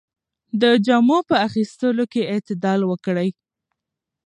د جامو په اخیستلو کې اعتدال وکړئ.